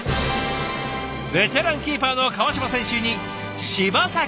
ベテランキーパーの川島選手に柴崎選手。